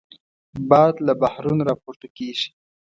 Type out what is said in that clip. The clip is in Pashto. باد له بحرونو راپورته کېږي